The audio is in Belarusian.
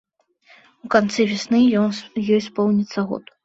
У канцы вясны ёй споўніцца год.